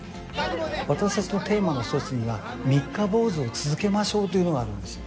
私達のテーマの一つには三日坊主を続けましょうというのがあるんですよ